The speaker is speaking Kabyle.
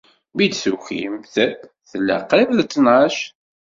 Mi d-tukimt, tella qrib d ttnac.